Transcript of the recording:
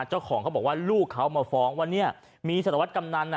เจ้าของเขาบอกว่าลูกเขามาฟ้องว่าเนี่ยมีสารวัตรกำนัน